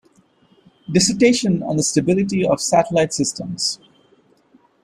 dissertation on the stability of satellite systems.